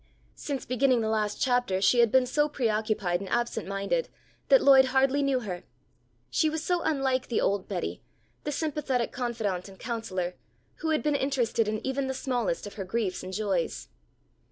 Since beginning the last chapter she had been so preoccupied and absent minded, that Lloyd hardly knew her. She was so unlike the old Betty, the sympathetic confidante and counsellor, who had been interested in even the smallest of her griefs and joys.